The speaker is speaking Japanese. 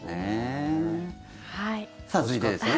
さあ、続いてですね。